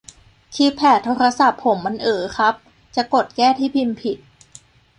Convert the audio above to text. คีย์แพดโทรศัพท์ผมมันเอ๋อครับ จะกดแก้ที่พิมพ์ผิด